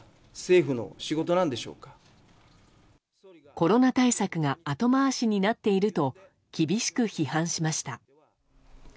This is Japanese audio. コロナ対策が後回しになっていると厳しく批判しました。